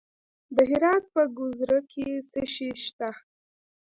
د هرات په ګذره کې څه شی شته؟